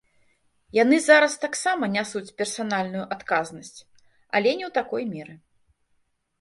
Яны зараз таксама нясуць персанальную адказнасць, але не ў такой меры.